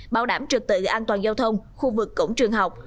bảo đảm trực tự an toàn giao thông khu vực cổng trường học